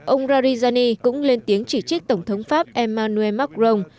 ông rarijani cũng lên tiếng chỉ trích tổng thống pháp emmanuel macron